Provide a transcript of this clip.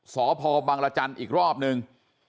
สพบังรจันทร์อีกรอบนึง